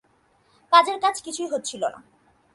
কাজের কাজ কিছুই হচ্ছিল না।